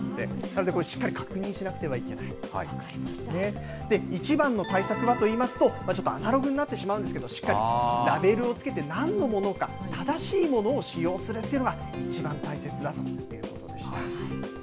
なので、これ、しっかり確認しなくてはいけない。一番の対策はといいますと、ちょっとアナログになってしまうんですけど、しっかりラベルをつけて、なんのものか、正しいものを使用するというのが、一番大切だということでした。